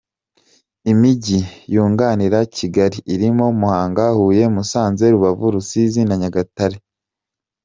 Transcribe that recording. Imijyi yunganira Kigali irimo Muhanga, Huye, Musanze, Rubavu, Rusizi na Nyagatare.